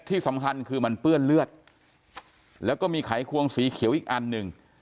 ที่สำคัญคือมันเปื้อนเลือดแล้วก็มีไขควงสีเขียวอีกอันหนึ่ง